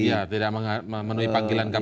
iya tidak memenuhi panggilan kpk